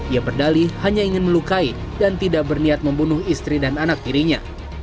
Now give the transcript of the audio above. ia berdali hanya ingin melukai dan tidak berniat membunuh istri dan anak dirinya